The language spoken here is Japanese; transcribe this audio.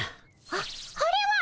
あっあれは！